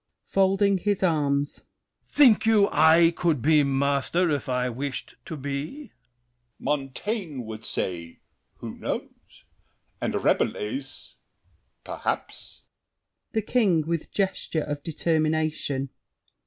[Folding his arms. Think you I could be master if I wished to be? L'ANGELY. Montaigne would say, "Who knows?" And Rabelais, "Perhaps." THE KING (with gesture of determination).